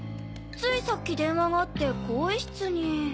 ついさっき電話があって更衣室に。